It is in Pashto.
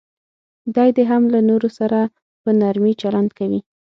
دی دې هم له نورو سره په نرمي چلند کوي.